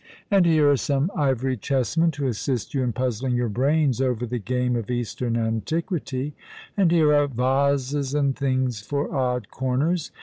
And here are some ivory chessmen to assist you in puzzling your brains over the game of Eastern antiquity ; and here are vases and things for odd corners.